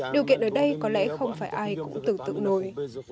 điều kiện ở đây có lẽ không phải ai cũng tưởng tượng nổi